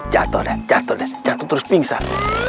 jatuh jatuh jatuh terus pingsan